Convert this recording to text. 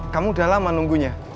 kamu udah lama nungguin